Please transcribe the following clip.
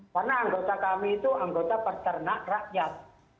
karena anggota kami itu anggota peternak rakyat